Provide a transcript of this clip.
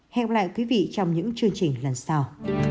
hẹn lại quý vị trong những chương trình lần sau